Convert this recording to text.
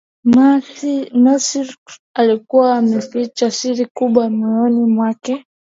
mercury alikuwa ameficha siri kubwa moyoni mwake